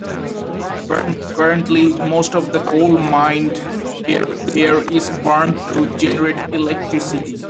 Currently most of the coal mined here is burned to generate electricity.